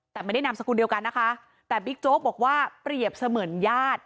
แต่ไม่ได้นามสกุลเดียวกันนะคะแต่บิ๊กโจ๊กบอกว่าเปรียบเสมือนญาติ